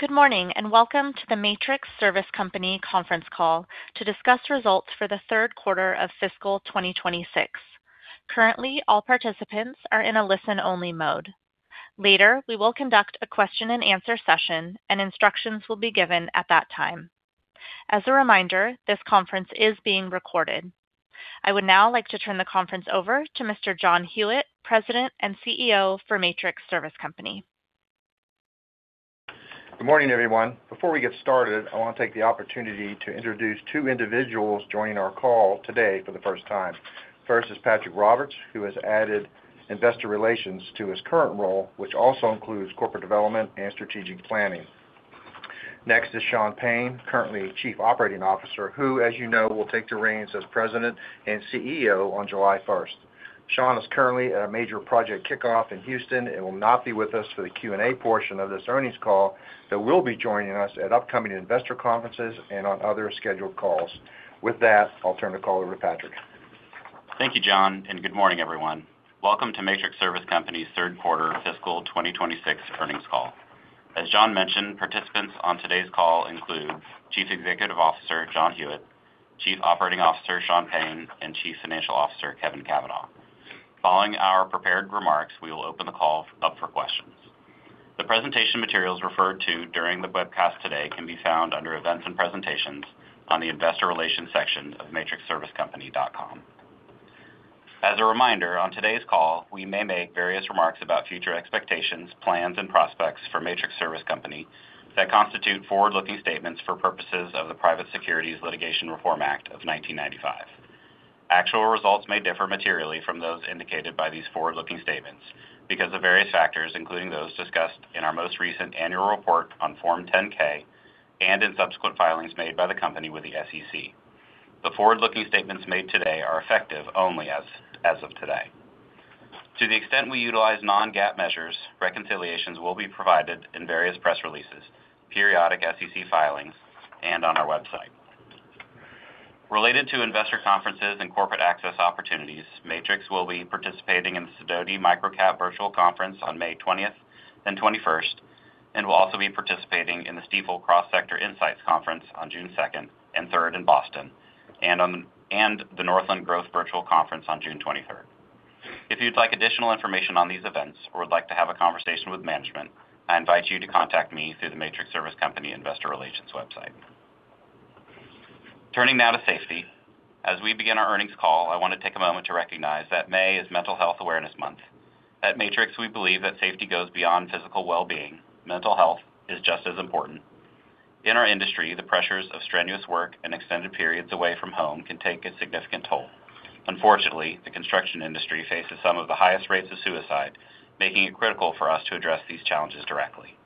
Good morning, and welcome to the Matrix Service Company conference call to discuss results for the third quarter of fiscal 2026. Currently, all participants are in a listen-only mode. Later, we will conduct a question and answer session and instructions will be given at that time. As a reminder, this conference is being recorded. I would now like to turn the conference over to Mr. John Hewitt, President and CEO for Matrix Service Company. Good morning, everyone. Before we get started, I want to take the opportunity to introduce two individuals joining our call today for the first time. First is Patrick Roberts, who has added investor relations to his current role, which also includes corporate development and strategic planning. Next is Shawn Payne, currently Chief Operating Officer, who, as you know, will take the reins as President and CEO on July 1st. Shawn is currently at a major project kickoff in Houston and will not be with us for the Q&A portion of this earnings call, but will be joining us at upcoming investor conferences and on other scheduled calls. With that, I'll turn the call over to Patrick. Thank you, John, and good morning, everyone. Welcome to Matrix Service Company's third quarter fiscal 2026 earnings call. As John mentioned, participants on today's call include Chief Executive Officer, John Hewitt, Chief Operating Officer, Shawn Payne, and Chief Financial Officer, Kevin Cavanah. Following our prepared remarks, we will open the call up for questions. The presentation materials referred to during the webcast today can be found under Events and Presentations on the Investor Relations section of matrixservicecompany.com. As a reminder, on today's call, we may make various remarks about future expectations, plans and prospects for Matrix Service Company that constitute forward-looking statements for purposes of the Private Securities Litigation Reform Act of 1995. Actual results may differ materially from those indicated by these forward-looking statements because of various factors, including those discussed in our most recent annual report on Form 10-K and in subsequent filings made by the company with the SEC. The forward-looking statements made today are effective only as of today. To the extent we utilize non-GAAP measures, reconciliations will be provided in various press releases, periodic SEC filings, and on our website. Related to investor conferences and corporate access opportunities, Matrix will be participating in Sidoti Micro-Cap Virtual Conference on May 20th and 21st, and will also be participating in the Stifel Cross Sector Insight Conference on June 2nd and 3rd in Boston and the Northland Growth Virtual Conference on June 23rd. If you'd like additional information on these events or would like to have a conversation with management, I invite you to contact me through the Matrix Service Company investor relations website. Turning now to safety. As we begin our earnings call, I want to take a moment to recognize that May is Mental Health Awareness Month. At Matrix, we believe that safety goes beyond physical well-being. Mental health is just as important. In our industry, the pressures of strenuous work and extended periods away from home can take a significant toll. Unfortunately, the construction industry faces some of the highest rates of suicide, making it critical for us to address these challenges directly.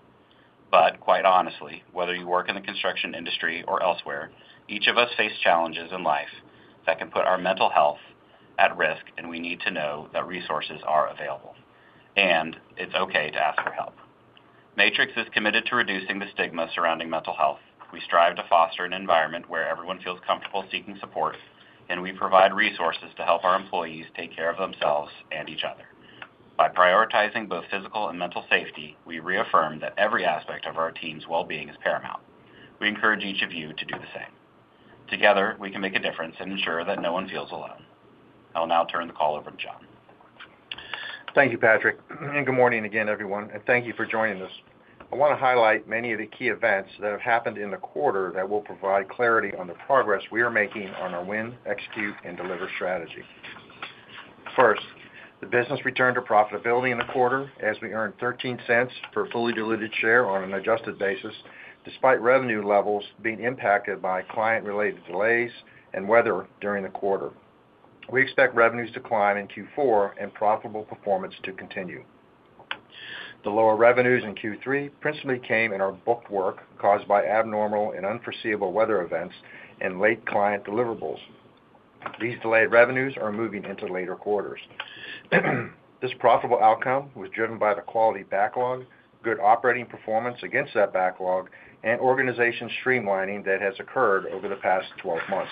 Quite honestly, whether you work in the construction industry or elsewhere, each of us face challenges in life that can put our mental health at risk, and we need to know that resources are available, and it's okay to ask for help. Matrix is committed to reducing the stigma surrounding mental health. We strive to foster an environment where everyone feels comfortable seeking support, and we provide resources to help our employees take care of themselves and each other. By prioritizing both physical and mental safety, we reaffirm that every aspect of our team's well-being is paramount. We encourage each of you to do the same. Together, we can make a difference and ensure that no one feels alone. I'll now turn the call over to John. Thank you, Patrick. Good morning again, everyone, and thank you for joining us. I want to highlight many of the key events that have happened in the quarter that will provide clarity on the progress we are making on our Win, Execute, and Deliver strategy. First, the business returned to profitability in the quarter as we earned $0.13 per fully diluted share on an adjusted basis, despite revenue levels being impacted by client-related delays and weather during the quarter. We expect revenues to climb in Q4 and profitable performance to continue. The lower revenues in Q3 principally came in our booked work caused by abnormal and unforeseeable weather events and late client deliverables. These delayed revenues are moving into later quarters. This profitable outcome was driven by the quality backlog, good operating performance against that backlog and organization streamlining that has occurred over the past 12 months.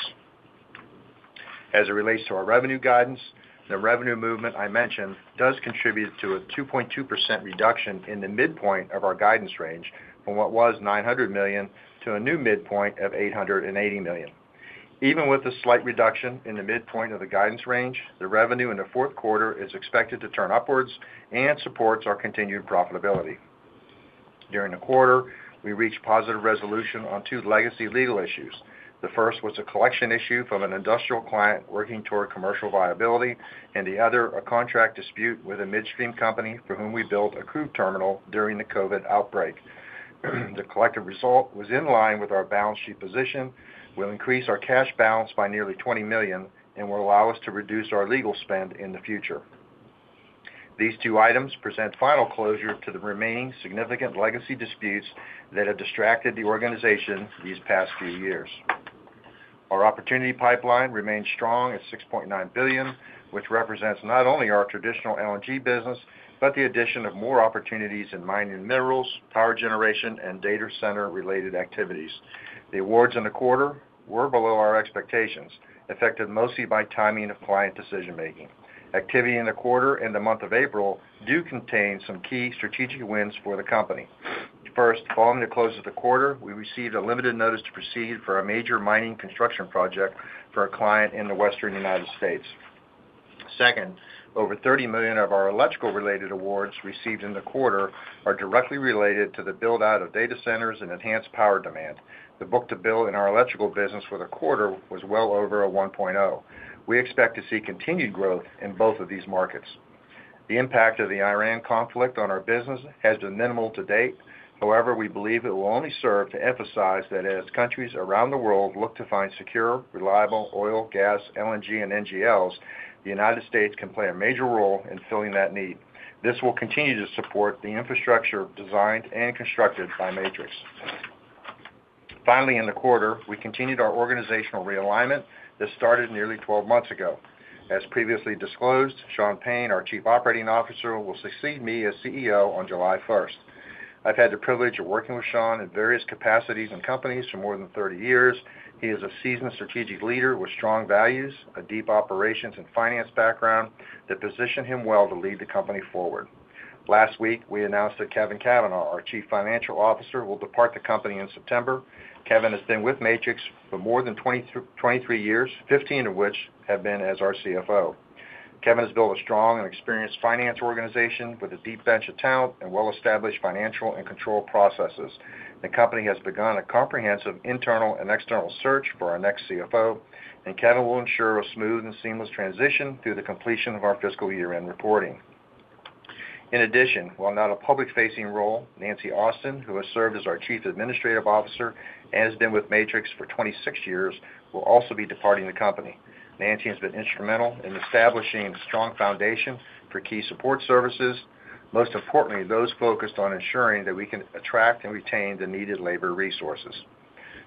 As it relates to our revenue guidance, the revenue movement I mentioned does contribute to a 2.2% reduction in the midpoint of our guidance range from what was $900 million to a new midpoint of $880 million. Even with a slight reduction in the midpoint of the guidance range, the revenue in the fourth quarter is expected to turn upwards and supports our continued profitability. During the quarter, we reached positive resolution on two legacy legal issues. The first was a collection issue from an industrial client working toward commercial viability, and the other a contract dispute with a midstream company for whom we built a crude terminal during the COVID outbreak. The collective result was in line with our balance sheet position, will increase our cash balance by nearly $20 million and will allow us to reduce our legal spend in the future. These two items present final closure to the remaining significant legacy disputes that have distracted the organization these past few years. Our opportunity pipeline remains strong at $6.9 billion, which represents not only our traditional LNG business, but the addition of more opportunities in mining minerals, power generation, and data center-related activities. The awards in the quarter were below our expectations, affected mostly by timing of client decision-making. Activity in the quarter and the month of April do contain some key strategic wins for the company. First, following the close of the quarter, we received a limited notice to proceed for a major mining construction project for a client in the Western U.S. Second, over $30 million of our electrical-related awards received in the quarter are directly related to the build-out of data centers and enhanced power demand. The book-to-bill in our electrical business for the quarter was well over a 1.0x. We expect to see continued growth in both of these markets. The impact of the Iran conflict on our business has been minimal to date. However, we believe it will only serve to emphasize that as countries around the world look to find secure, reliable oil, gas, LNG, and NGLs, the U.S. can play a major role in filling that need. This will continue to support the infrastructure designed and constructed by Matrix. Finally, in the quarter, we continued our organizational realignment that started nearly 12 months ago. As previously disclosed, Shawn Payne, our Chief Operating Officer, will succeed me as CEO on July 1st. I've had the privilege of working with Shawn in various capacities and companies for more than 30 years. He is a seasoned strategic leader with strong values, a deep operations and finance background that position him well to lead the company forward. Last week, we announced that Kevin Cavanah, our Chief Financial Officer, will depart the company in September. Kevin has been with Matrix for more than 23 years, 15 of which have been as our CFO. Kevin has built a strong and experienced finance organization with a deep bench of talent and well-established financial and control processes. The company has begun a comprehensive internal and external search for our next CFO. Kevin will ensure a smooth and seamless transition through the completion of our fiscal year-end reporting. In addition, while not a public-facing role, Nancy Austin, who has served as our Chief Administrative Officer and has been with Matrix for 26 years, will also be departing the company. Nancy has been instrumental in establishing a strong foundation for key support services, most importantly, those focused on ensuring that we can attract and retain the needed labor resources.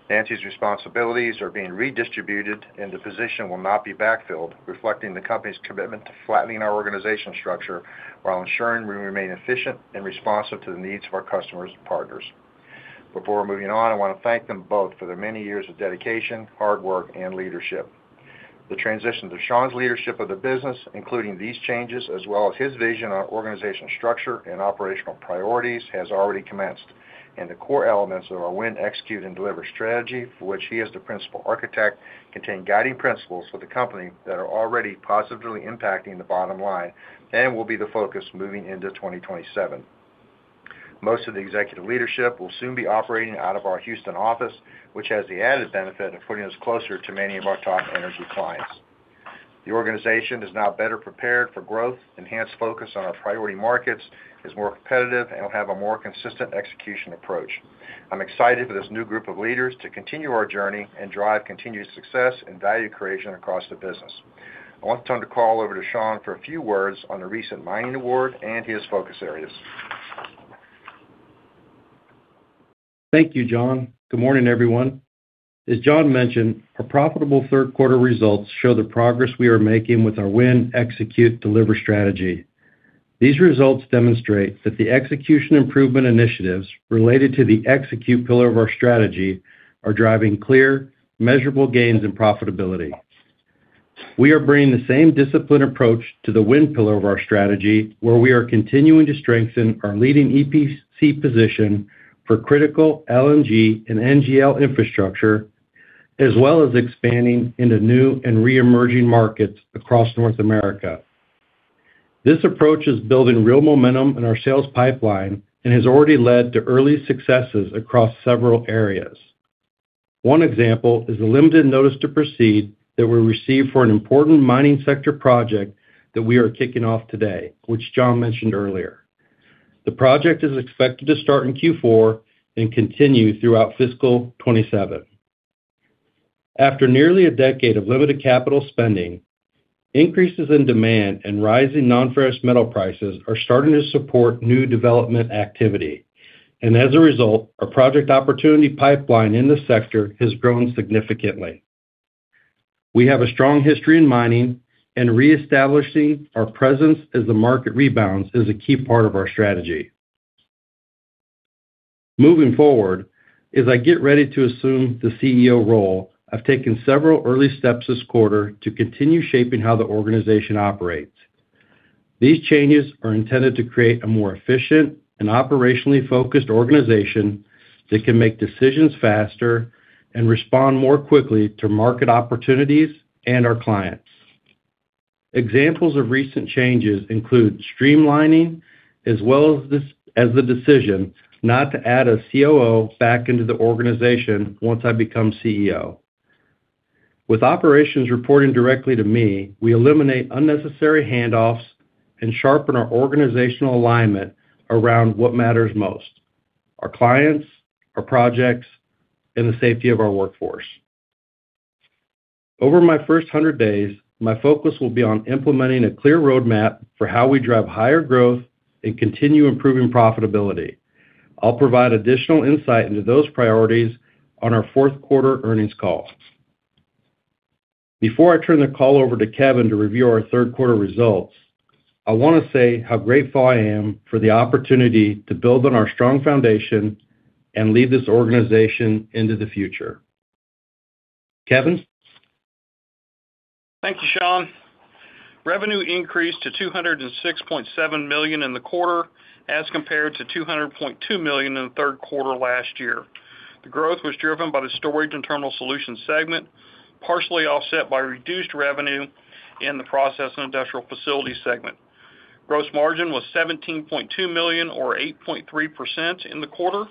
Nancy's responsibilities are being redistributed, and the position will not be backfilled, reflecting the company's commitment to flattening our organizational structure while ensuring we remain efficient and responsive to the needs of our customers and partners. Before moving on, I wanna thank them both for their many years of dedication, hard work, and leadership. The transition to Shawn's leadership of the business, including these changes, as well as his vision on organizational structure and operational priorities, has already commenced. The core elements of our win, execute, and deliver strategy, for which he is the principal architect, contain guiding principles for the company that are already positively impacting the bottom line and will be the focus moving into 2027. Most of the executive leadership will soon be operating out of our Houston office, which has the added benefit of putting us closer to many of our top energy clients. The organization is now better prepared for growth, enhanced focus on our priority markets, is more competitive, and will have a more consistent execution approach. I'm excited for this new group of leaders to continue our journey and drive continued success and value creation across the business. I want to turn the call over to Shawn for a few words on the recent mining award and his focus areas. Thank you, John. Good morning, everyone. As John mentioned, our profitable third quarter results show the progress we are making with our Win, Execute, Deliver Strategy. These results demonstrate that the execution improvement initiatives related to the Execute pillar of our strategy are driving clear, measurable gains and profitability. We are bringing the same disciplined approach to the Win pillar of our strategy, where we are continuing to strengthen our leading EPC position for critical LNG and NGL infrastructure, as well as expanding into new and re-emerging markets across North America. This approach is building real momentum in our sales pipeline and has already led to early successes across several areas. One example is the limited notice to proceed that we received for an important mining sector project that we are kicking off today, which John mentioned earlier. The project is expected to start in Q4 and continue throughout fiscal 2027. After nearly a decade of limited capital spending, increases in demand and rising nonferrous metal prices are starting to support new development activity. As a result, our project opportunity pipeline in this sector has grown significantly. We have a strong history in mining, and reestablishing our presence as the market rebounds is a key part of our strategy. Moving forward, as I get ready to assume the CEO role, I've taken several early steps this quarter to continue shaping how the organization operates. These changes are intended to create a more efficient and operationally focused organization that can make decisions faster and respond more quickly to market opportunities and our clients. Examples of recent changes include streamlining as well as the decision not to add a COO back into the organization once I become CEO. With operations reporting directly to me, we eliminate unnecessary handoffs and sharpen our organizational alignment around what matters most: our clients, our projects, and the safety of our workforce. Over my first 100 days, my focus will be on implementing a clear roadmap for how we drive higher growth and continue improving profitability. I'll provide additional insight into those priorities on our fourth quarter earnings call. Before I turn the call over to Kevin to review our third quarter results, I wanna say how grateful I am for the opportunity to build on our strong foundation and lead this organization into the future. Kevin? Thank you, Shawn. Revenue increased to $206.7 million in the quarter, as compared to $200.2 million in the third quarter last year. The growth was driven by the Storage and Terminal Solutions segment, partially offset by reduced revenue in the Process and Industrial Facilities segment. Gross margin was $17.2 million or 8.3% in the quarter,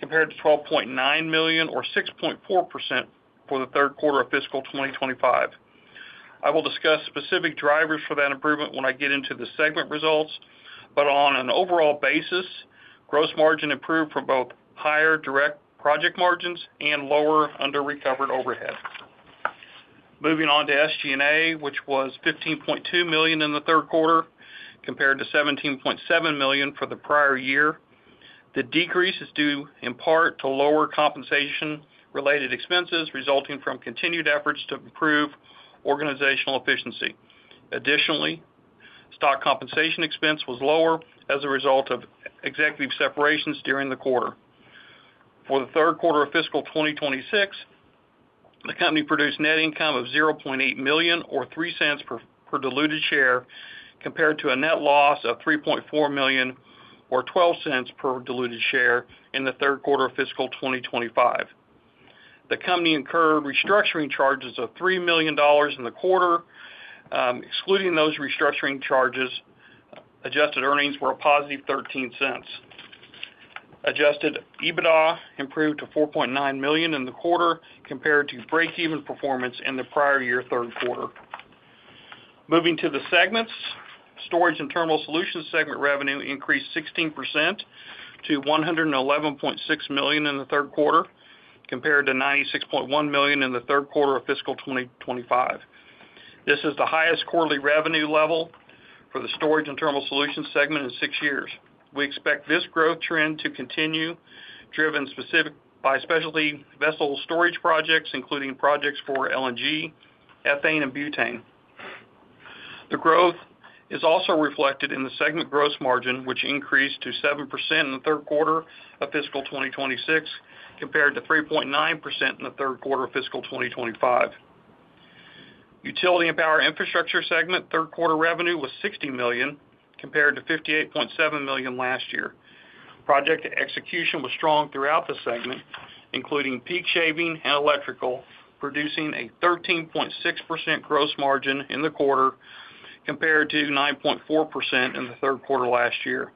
compared to $12.9 million or 6.4% for the third quarter of fiscal 2025. I will discuss specific drivers for that improvement when I get into the segment results. On an overall basis, gross margin improved from both higher direct project margins and lower under-recovered overhead. Moving on to SG&A, which was $15.2 million in the third quarter, compared to $17.7 million for the prior year. The decrease is due in part to lower compensation-related expenses resulting from continued efforts to improve organizational efficiency. Additionally, stock compensation expense was lower as a result of executive separations during the quarter. For the third quarter of fiscal 2026, the company produced net income of $0.8 million or $0.03 per diluted share, compared to a net loss of $3.4 million or $0.12 per diluted share in the third quarter of fiscal 2025. The company incurred restructuring charges of $3 million in the quarter. Excluding those restructuring charges, adjusted earnings were a positive $0.13. Adjusted EBITDA improved to $4.9 million in the quarter compared to breakeven performance in the prior year third quarter. Moving to the segments. Storage and Terminal Solutions segment revenue increased 16% to $111.6 million in the third quarter, compared to $96.1 million in the third quarter of fiscal 2025. This is the highest quarterly revenue level for the Storage & Terminal Solutions segment in six years. We expect this growth trend to continue, driven by specialty vessel storage projects, including projects for LNG, ethane, and butane. The growth is also reflected in the segment gross margin, which increased to 7% in the third quarter of fiscal 2026, compared to 3.9% in the third quarter of fiscal 2025. Utility and Power Infrastructure segment third quarter revenue was $60 million, compared to $58.7 million last year. Project execution was strong throughout the segment, including peak shaving and electrical, producing a 13.6% gross margin in the quarter, compared to 9.4% in the third quarter last year.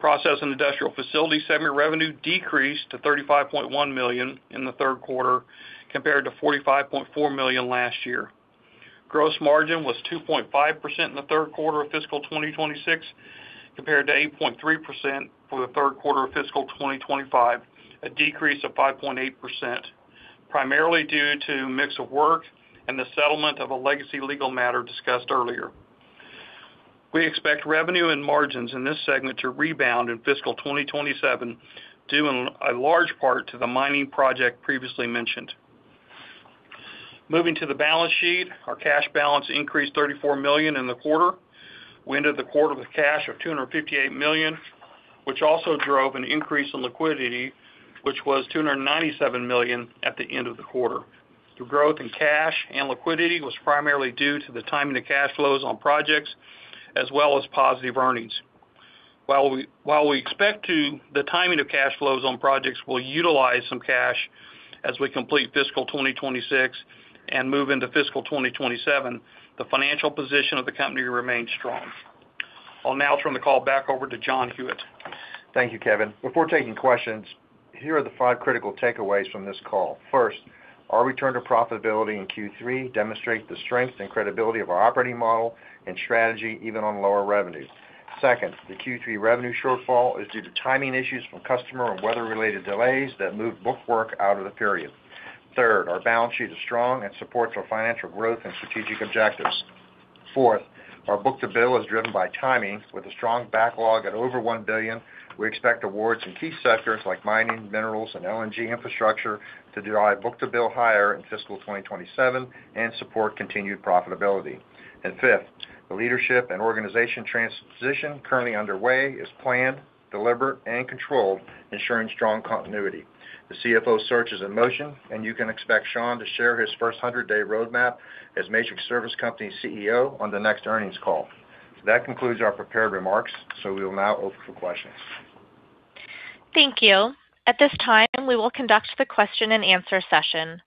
Process and Industrial Facilities segment revenue decreased to $35.1 million in the third quarter, compared to $45.4 million last year. Gross margin was 2.5% in the third quarter of fiscal 2026, compared to 8.3% for the third quarter of fiscal 2025, a decrease of 5.8%, primarily due to mix of work and the settlement of a legacy legal matter discussed earlier. We expect revenue and margins in this segment to rebound in fiscal 2027, due in large part to the mining project previously mentioned. Moving to the balance sheet. Our cash balance increased $34 million in the quarter. We ended the quarter with cash of $258 million, which also drove an increase in liquidity, which was $297 million at the end of the quarter. The growth in cash and liquidity was primarily due to the timing of cash flows on projects as well as positive earnings. While we expect the timing of cash flows on projects will utilize some cash as we complete fiscal 2026 and move into fiscal 2027, the financial position of the company remains strong. I'll now turn the call back over to John Hewitt. Thank you, Kevin. Before taking questions, here are the five critical takeaways from this call. First, our return to profitability in Q3 demonstrates the strength and credibility of our operating model and strategy even on lower revenues. Second, the Q3 revenue shortfall is due to timing issues from customer and weather-related delays that moved book work out of the period. Third, our balance sheet is strong and supports our financial growth and strategic objectives. Fourth, our book-to-bill is driven by timing. With a strong backlog at over $1 billion, we expect awards in key sectors like mining, minerals, and LNG infrastructure to drive book-to-bill higher in fiscal 2027 and support continued profitability. Fifth, the leadership and organization transition currently underway is planned, deliberate, and controlled, ensuring strong continuity. The CFO search is in motion. You can expect Shawn to share his first 100-day roadmap as Matrix Service Company CEO on the next earnings call. That concludes our prepared remarks. We will now open for questions. Thank you. At this time, we will conduct the question and answer session.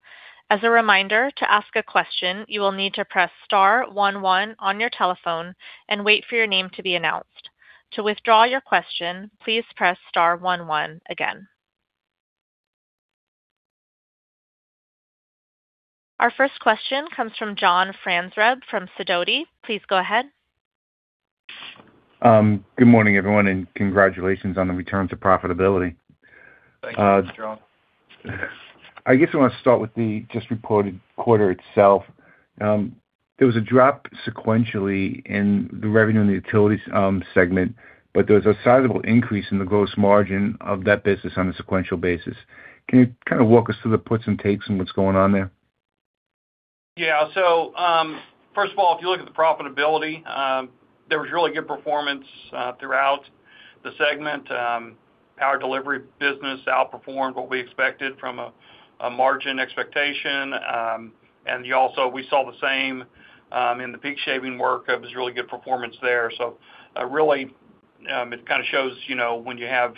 As a reminder, to ask a question, you will need to press star one one on your telephone and wait for your name to be announced. To withdraw your question, please press star one one again. Our first question comes from John Franzreb from Sidoti. Please go ahead. Good morning, everyone, and congratulations on the return to profitability. Thank you, John. I guess I wanna start with the just reported quarter itself. There was a drop sequentially in the revenue in the Utilities segment, but there was a sizable increase in the gross margin of that business on a sequential basis. Can you kind of walk us through the puts and takes on what's going on there? First of all, if you look at the profitability, there was really good performance throughout the segment. Power delivery business outperformed what we expected from a margin expectation. We also saw the same in the peak shaving work. It was really good performance there. Really, it kind of shows, you know, when you have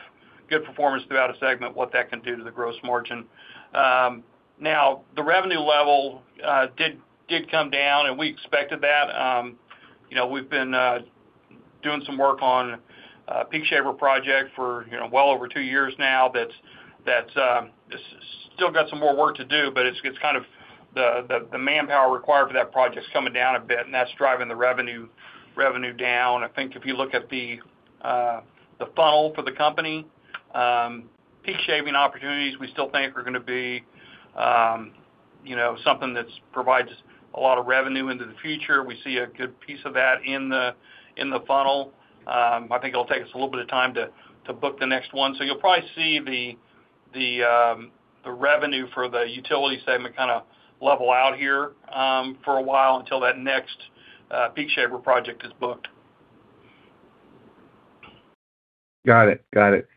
good performance throughout a segment, what that can do to the gross margin. Now the revenue level did come down, and we expected that. You know, we've been doing some work on a peak shaver project for, you know, well over two years now that's still got some more work to do, but it's kind of the manpower required for that project is coming down a bit, and that's driving the revenue down. I think if you look at the funnel for the company, peak shaving opportunities we still think are gonna be something that provides a lot of revenue into the future. We see a good piece of that in the funnel. I think it'll take us a little bit of time to book the next one. You'll probably see the revenue for the Utility segment kind of level out here, for a while until that next peak shaver project is booked. Got it. Got it.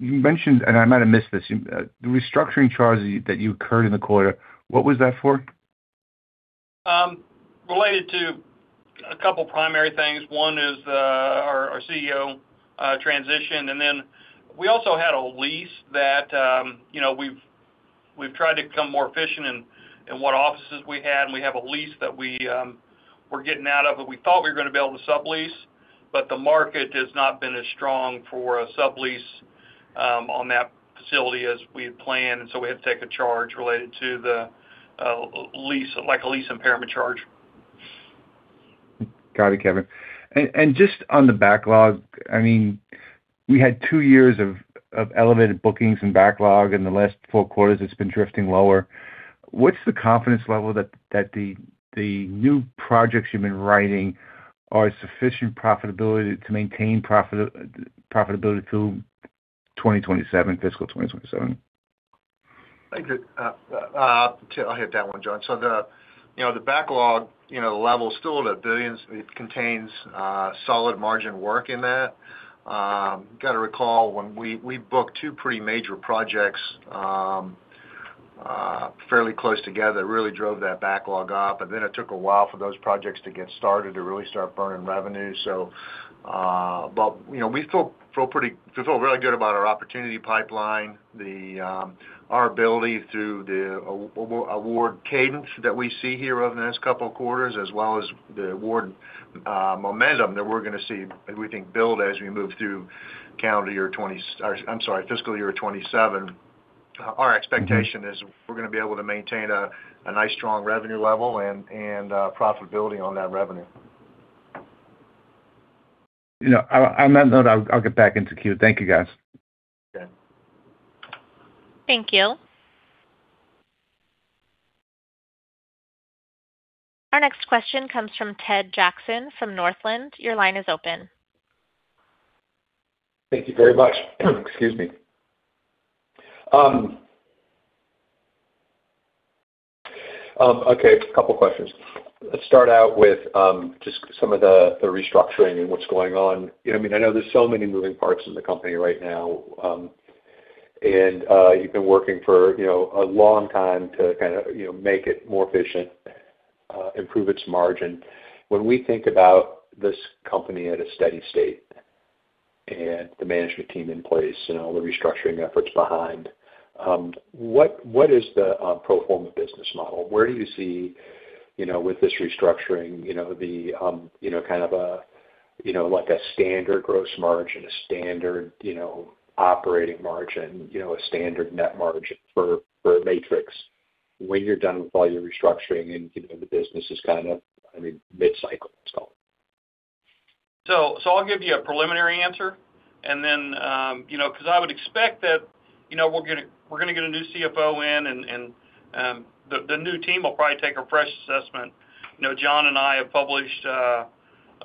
You mentioned, and I might have missed this, the restructuring charges that you incurred in the quarter, what was that for? Related to a couple primary things. One is our CEO transition, and then we also had a lease that, you know, we've tried to become more efficient in what offices we had, and we have a lease that we're getting out of, but we thought we were gonna be able to sublease, but the market has not been as strong for a sublease on that facility as we had planned. We had to take a charge related to the lease, like a lease impairment charge. Got it, Kevin. Just on the backlog, I mean, we had two years of elevated bookings and backlog. In the last four quarters, it's been drifting lower. What's the confidence level that the new projects you've been writing are sufficient profitability to maintain profitability through 2027, fiscal 2027? Thank you. I'll hit that one, John. The, you know, the backlog, you know, level is still at a billions. It contains solid margin work in that. Gotta recall when we booked two pretty major projects fairly close together that really drove that backlog up, and then it took a while for those projects to get started to really start burning revenue. You know, we feel really good about our opportunity pipeline, the our ability through the award cadence that we see here over the next two quarters, as well as the award momentum that we're gonna see, we think build as we move through fiscal year 2027. Our expectation is we're going to be able to maintain a nice strong revenue level and profitability on that revenue. You know, on that note, I'll get back into queue. Thank you, guys. Okay. Thank you. Our next question comes from Ted Jackson from Northland. Your line is open. Thank you very much. Excuse me. Okay, a couple questions. Let's start out with just some of the restructuring and what's going on. You know, I mean, I know there's so many moving parts in the company right now, and you've been working for, you know, a long time to kind of, you know, make it more efficient, improve its margin. When we think about this company at a steady state and the management team in place and all the restructuring efforts behind, what is the pro forma business model? Where do you see, you know, with this restructuring, you know, the, you know, kind of a, you know, like a standard gross margin, a standard, you know, operating margin, you know, a standard net margin for Matrix when you're done with all your restructuring and, you know, the business is kind of, I mean, mid-cycle? I'll give you a preliminary answer and then, you know, 'cause I would expect that, you know, we're gonna get a new CFO in and the new team will probably take a fresh assessment. You know, John and I have published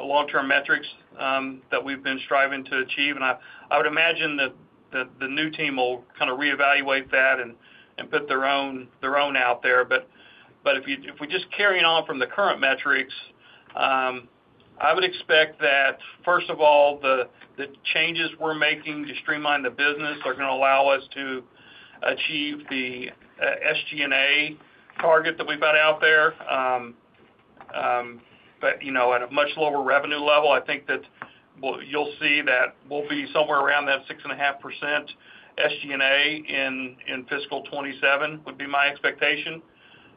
long-term metrics that we've been striving to achieve, and I would imagine that the new team will kind of reevaluate that and put their own out there. If we just carrying on from the current metrics, I would expect that first of all, the changes we're making to streamline the business are gonna allow us to achieve the SG&A target that we've got out there. You know, at a much lower revenue level. I think that you'll see that we'll be somewhere around that 6.5% SG&A in fiscal 2027, would be my expectation.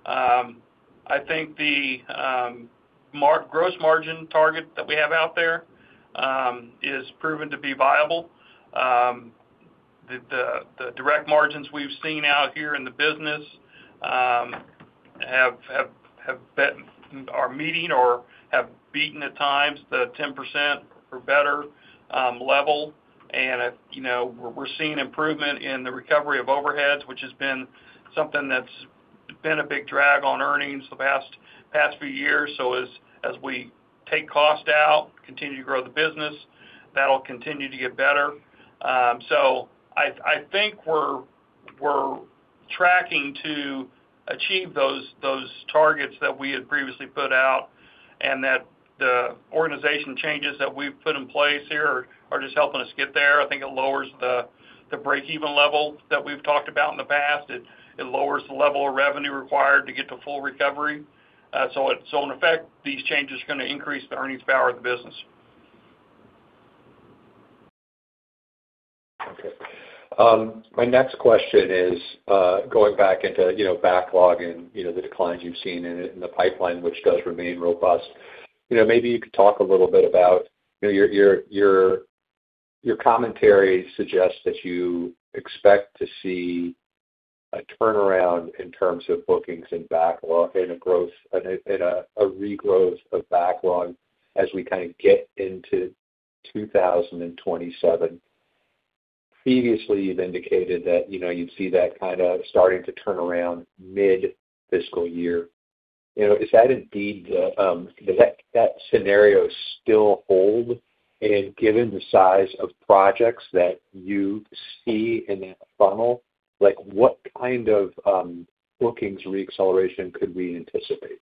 I think the gross margin target that we have out there is proven to be viable. The, the direct margins we've seen out here in the business have been meeting or have beaten at times the 10% or better. Level and, you know, we're seeing improvement in the recovery of overheads, which has been something that's been a big drag on earnings the past few years. As we take cost out, continue to grow the business, that'll continue to get better. I think we're tracking to achieve those targets that we had previously put out and that the organization changes that we've put in place here are just helping us get there. I think it lowers the break-even level that we've talked about in the past. It lowers the level of revenue required to get to full recovery. In effect, these changes are gonna increase the earnings power of the business. Okay. My next question is, going back into, you know, backlog and, you know, the declines you've seen in it, in the pipeline, which does remain robust. You know, maybe you could talk a little bit about, you know, your commentary suggests that you expect to see a turnaround in terms of bookings and backlog and a regrowth of backlog as we kind of get into 2027. Previously, you've indicated that, you know, you'd see that kind of starting to turn around mid-fiscal year. You know, is that indeed the does that scenario still hold? Given the size of projects that you see in that funnel, like, what kind of bookings re-acceleration could we anticipate?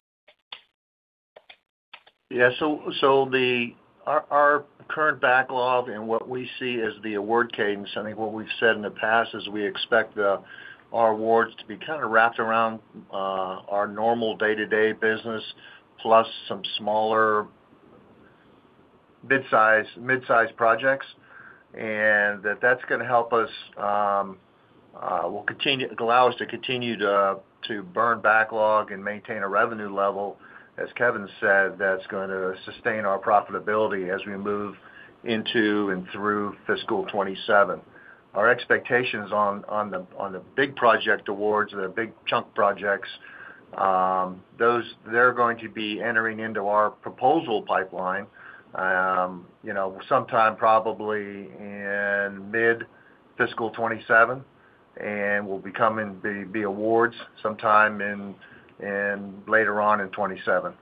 The current backlog and what we see as the award cadence, I think what we've said in the past is we expect our awards to be kind of wrapped around our normal day-to-day business plus some smaller mid-size projects. That's going to help us allow us to continue to burn backlog and maintain a revenue level, as Kevin said, that's going to sustain our profitability as we move into and through FY 2027. Our expectations on the big project awards or the big chunk projects, those, they're going to be entering into our proposal pipeline, you know, sometime probably in mid-FY 2027, and will becoming awards sometime later on in 2027.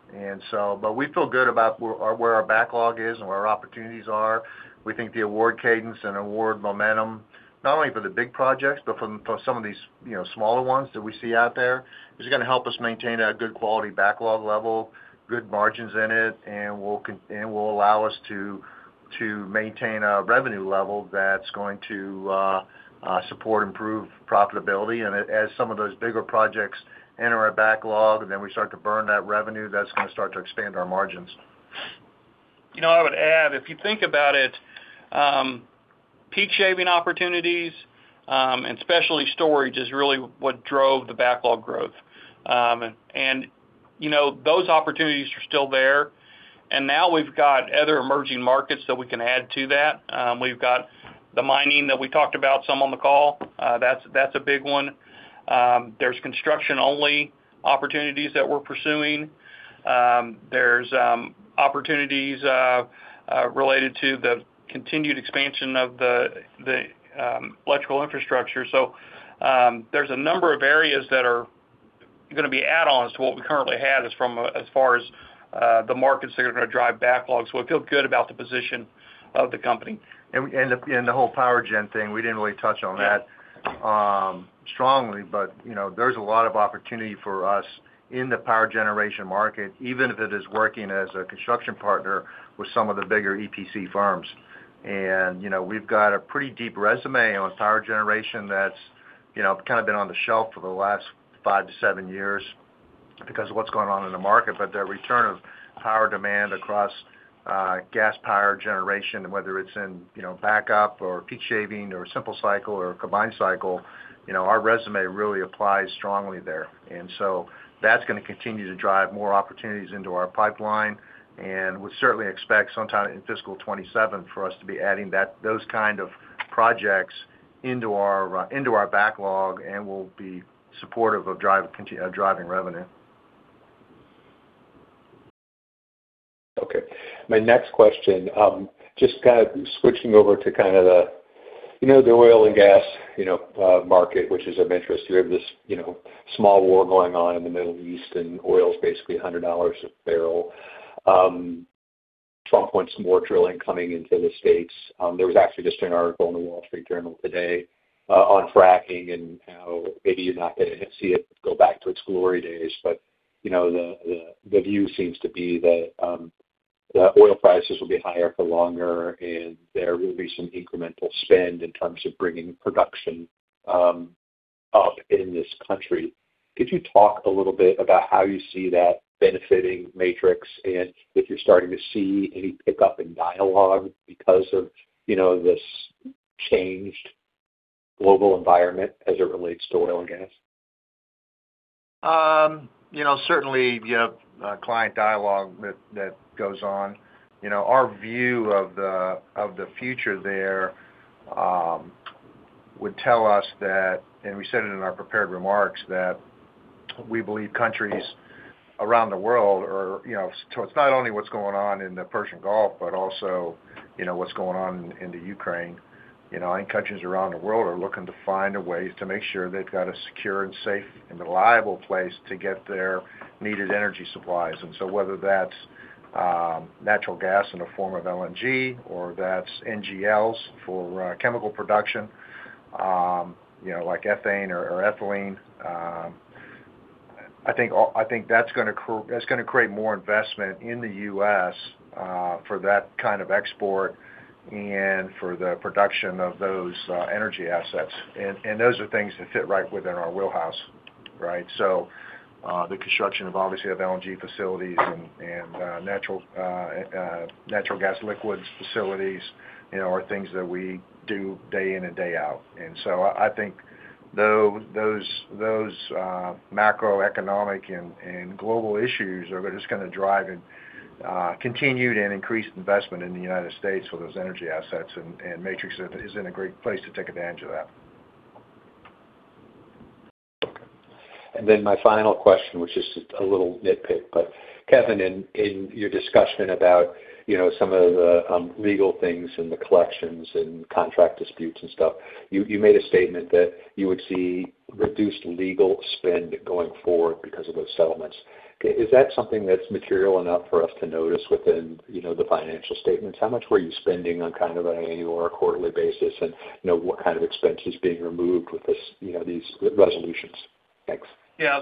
We feel good about where our backlog is and where our opportunities are. We think the award cadence and award momentum, not only for the big projects, but for some of these, you know, smaller ones that we see out there, is gonna help us maintain a good quality backlog level, good margins in it, and will allow us to maintain a revenue level that's going to support improved profitability. As some of those bigger projects enter our backlog and then we start to burn that revenue, that's gonna start to expand our margins. You know, I would add, if you think about it, peak shaving opportunities, and especially storage is really what drove the backlog growth. You know, those opportunities are still there. Now we've got other emerging markets that we can add to that. We've got the mining that we talked about some on the call. That's a big one. There's construction-only opportunities that we're pursuing. There's opportunities related to the continued expansion of the electrical infrastructure. There's a number of areas that are gonna be add-ons to what we currently have as from, as far as the markets that are gonna drive backlogs. We feel good about the position of the company. The whole power gen thing, we didn't really touch on that. Yeah. Strongly, you know, there's a lot of opportunity for us in the power generation market, even if it is working as a construction partner with some of the bigger EPC firms. You know, we've got a pretty deep resume on power generation that's, you know, kind of been on the shelf for the last five to seven years because of what's going on in the market. The return of power demand across gas power generation, whether it's in, you know, backup or peak shaving or simple cycle or combined cycle, you know, our resume really applies strongly there. That's going to continue to drive more opportunities into our pipeline, and we certainly expect sometime in fiscal 2027 for us to be adding those kind of projects into our backlog and will be supportive of driving revenue. Okay. My next question, just kind of switching over to kind of the oil and gas market, which is of interest. You have this small war going on in the Middle East and oil's basically $100 a barrel. Trump wants more drilling coming into the U.S. There was actually just an article in The Wall Street Journal today on fracking and how maybe you're not gonna see it go back to its glory days. The view seems to be that the oil prices will be higher for longer and there will be some incremental spend in terms of bringing production up in this country. Could you talk a little bit about how you see that benefiting Matrix and if you're starting to see any pickup in dialogue because of, you know, this changed global environment as it relates to oil and gas? You know, certainly you have client dialogue that goes on. You know, our view of the future there would tell us that, and we said it in our prepared remarks, that we believe countries around the world are, you know, it's not only what's going on in the Persian Gulf, but also, you know, what's going on in the Ukraine. You know, countries around the world are looking to find a way to make sure they've got a secure and safe and reliable place to get their needed energy supplies. Whether that's natural gas in the form of LNG or that's NGLs for chemical production, you know, like ethane or ethylene, I think that's gonna create more investment in the U.S. for that kind of export and for the production of those energy assets. Those are things that fit right within our wheelhouse, right? The construction of, obviously, of LNG facilities and natural gas liquids facilities, you know, are things that we do day in and day out. I think those, uh, macroeconomic and global issues are just gonna drive continued and increased investment in the United States for those energy assets. Matrix is in a great place to take advantage of that. My final question, which is a little nitpick, but Kevin, in your discussion about, you know, some of the legal things and the collections and contract disputes and stuff, you made a statement that you would see reduced legal spend going forward because of those settlements. Is that something that's material enough for us to notice within, you know, the financial statements? How much were you spending on kind of an annual or a quarterly basis? What kind of expense is being removed with this, you know, these resolutions? Thanks. Yeah.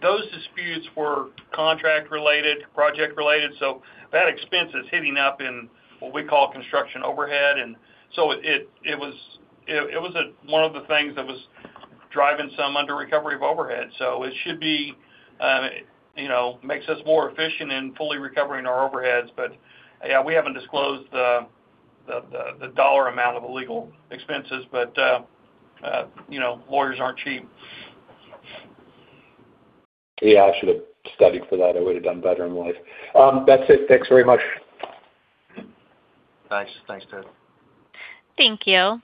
Those disputes were contract related, project related, so that expense is hitting up in what we call construction overhead. It was one of the things that was driving some under recovery of overhead. It should be, you know, makes us more efficient in fully recovering our overheads. Yeah, we haven't disclosed the dollar amount of the legal expenses, but, you know, lawyers aren't cheap. Yeah, I should have studied for that. I would have done better in life. That's it. Thanks very much. Thanks. Thanks, Ted. Thank you.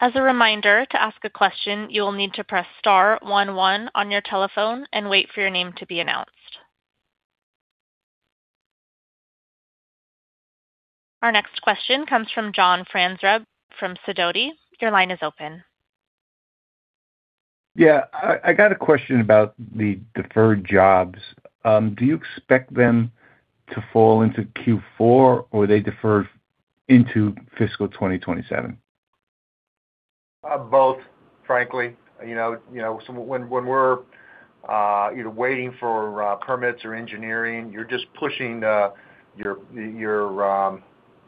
As a reminder, to ask a question, you will need to press star one one on your telephone and wait for your name to be announced. Our next question comes from John Franzreb from Sidoti. Your line is open. Yeah. I got a question about the deferred jobs. Do you expect them to fall into Q4 or are they deferred into fiscal 2027? Both, frankly. When we're waiting for permits or engineering, you're just pushing your,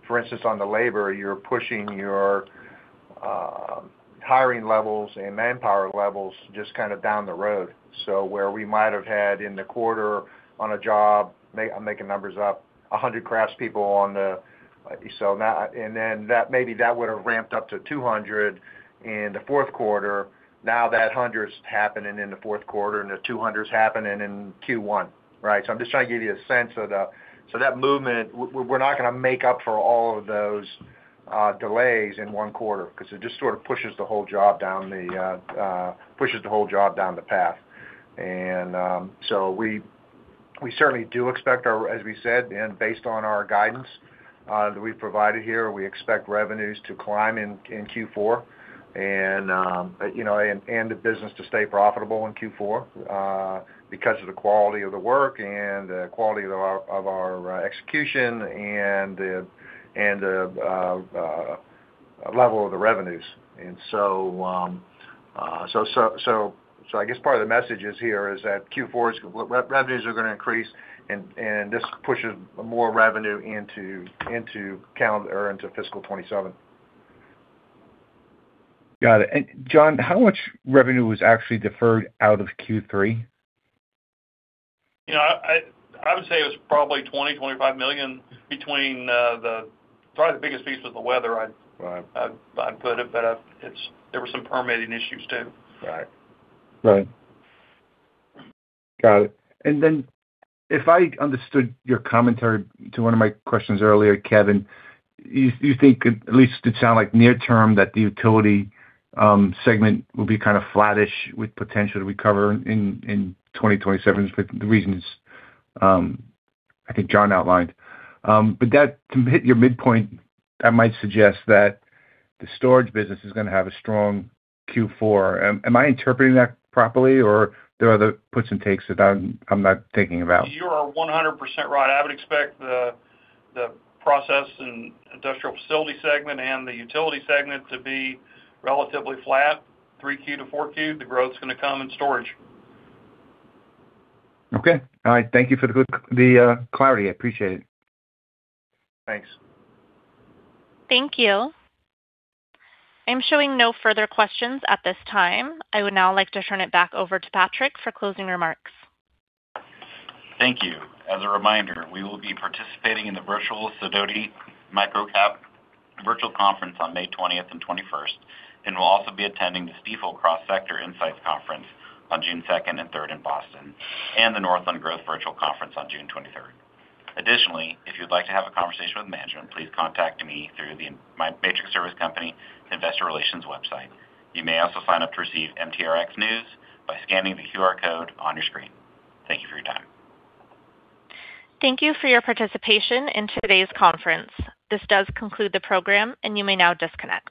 for instance, on the labor, you're pushing your hiring levels and manpower levels just kind of down the road. Where we might have had in the quarter on a job, I'm making numbers up, 100 crafts people, that maybe would have ramped up to 200 in the fourth quarter. Now that 100's happening in the fourth quarter, and the 200's happening in Q1, right? I'm just trying to give you a sense of that movement, we're not gonna make up for all of those delays in one quarter because it just sort of pushes the whole job down the path. We certainly do expect our as we said, and based on our guidance that we've provided here, we expect revenues to climb in Q4 and, you know, the business to stay profitable in Q4 because of the quality of the work and the quality of our execution and the level of the revenues. I guess part of the message is here is that Q4's revenues are going to increase and this pushes more revenue into calendar or into fiscal 2027. Got it. John, how much revenue was actually deferred out of Q3? You know, I would say it was probably $20 million, $25 million. Probably the biggest piece was the weather. Right. I'd put it. There were some permitting issues too. Right. Right. Got it. If I understood your commentary to one of my questions earlier, Kevin, you think at least it sound like near term that the utility segment will be kind of flattish with potential to recover in 2027, but the reasons I think John outlined. To hit your midpoint, that might suggest that the storage business is gonna have a strong Q4. Am I interpreting that properly or there are other puts and takes that I'm not thinking about? You are 100% right. I would expect the Process and Industrial Facilities segment and the Utility and Power Infrastructure segment to be relatively flat, 3Q to 4Q. The growth's gonna come in Storage. Okay. All right. Thank you for the clarity. I appreciate it. Thanks. Thank you. I'm showing no further questions at this time. I would now like to turn it back over to Patrick for closing remarks. Thank you. As a reminder, we will be participating in the Sidoti Micro-Cap Virtual Conference on May 20th and 21st, and we'll also be attending the Stifel Cross Sector Insight Conference on June 2nd and 3rd in Boston and the Northland Growth Conference on June 23rd. Additionally, if you'd like to have a conversation with management, please contact me through my Matrix Service Company investor relations website. You may also sign up to receive MTRX news by scanning the QR code on your screen. Thank you for your time. Thank you for your participation in today's conference. This does conclude the program, and you may now disconnect.